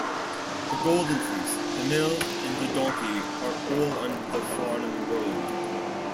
The "Golden Fleece", "The Mill" and "The Donkey" are all on the Farnham Road.